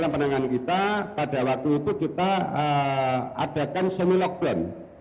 pada waktu itu kita adakan semi lockdown